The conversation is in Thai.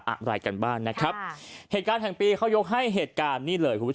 อะไรกันบ้างนะครับเหตุการแห่งปีเขายกให้เหตุการนี่เลย